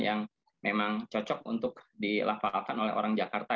yang memang cocok untuk dilafalkan oleh orang jakarta